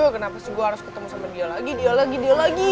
kenapa sih gue harus ketemu sama dia lagi dia lagi dia lagi